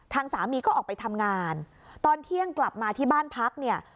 สามีก็ออกไปทำงานตอนเที่ยงกลับมาที่บ้านพักเนี่ย